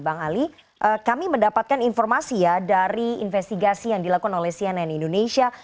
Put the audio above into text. bang ali kami mendapatkan informasi ya dari investigasi yang dilakukan oleh cnn indonesia